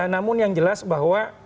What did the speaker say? namun yang jelas bahwa